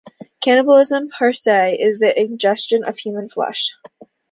Cannibalism per se is the ingestion of human flesh.